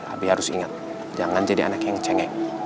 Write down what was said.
abi harus ingat jangan jadi anak yang cengek